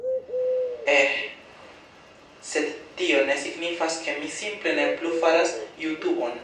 Eh, sed tio ne signifas ke mi simple ne plu faras Jutobon